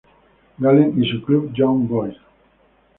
Gallen y su club Young Boys.